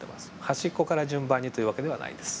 端っこから順番にという訳ではないです。